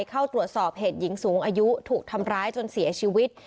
เข้าตรวจสอบเหตุหญิงสูงอายุถูกทำร้ายจนเสียชีวิต